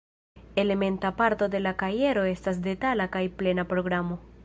Elementa parto de la kajero estas detala kaj plena programo.